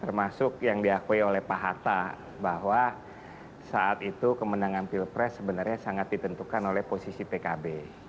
termasuk yang diakui oleh pak hatta bahwa saat itu kemenangan pilpres sebenarnya sangat ditentukan oleh posisi pkb